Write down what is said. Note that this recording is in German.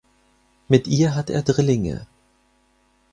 Mit ihr hat er Drillinge.